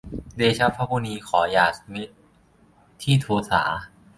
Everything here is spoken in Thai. เดชะพระมุนี ขออย่ามีที่โทษา